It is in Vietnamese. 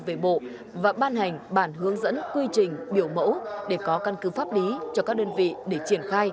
về bộ và ban hành bản hướng dẫn quy trình biểu mẫu để có căn cứ pháp lý cho các đơn vị để triển khai